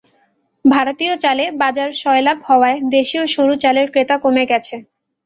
ভারতীয় চালে বাজার সয়লাব হওয়ায় দেশীয় সরু চালের ক্রেতা কমে গেছে।